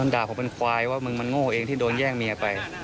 ด่าผมเป็นควายว่ามึงมันโง่เองที่โดนแย่งเมียไป